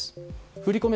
振り込め